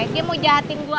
dia mau jahatin apa